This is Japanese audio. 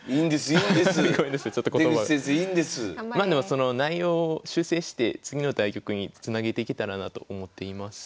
その内容を修正して次の対局につなげていけたらなと思っています。